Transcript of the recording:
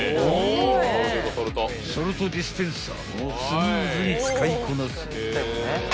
［ソルトディスペンサーもスムーズに使いこなす］